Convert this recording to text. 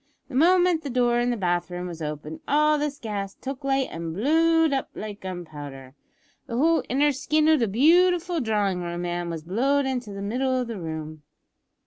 The moment the door in the bath room was opened all this gas took light an' blowed up like gunpowder. The whole inner skin o' the beautiful drawing room, ma'am, was blowed into the middle of the room.